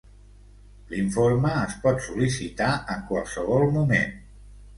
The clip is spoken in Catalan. L'informe es pot sol·licitar en qualsevol moment.